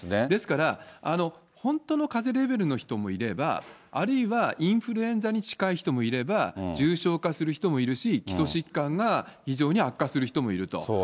ですから、本当のかぜレベルの人もいれば、あるいはインフルエンザに近い人もいれば、重症化する人もいるし、基礎疾患が非常に悪化する人もいると。